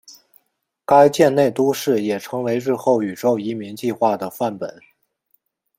该舰内都市也成为日后宇宙移民计画的范本。